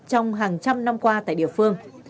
trong hàng trăm năm qua tại địa phương